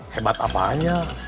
hebat apa aja